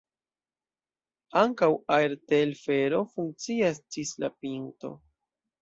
Ankaŭ aertelfero funkcias ĝis la pinto.